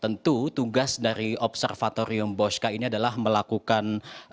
tentu tugas dari observatorium bosca ini adalah melakukan